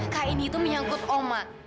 kak ini tuh menyangkut oma